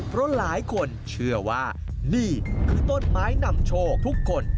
เพราะหลายคนเชื่อว่านี่คือต้นไม้นำโชคทุกคน